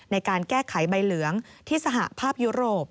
ในการแก้ไขใบเหลืองที่สหภาพยุโรป